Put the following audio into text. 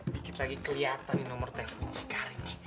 dikit lagi keliatan nomor teleponnya karin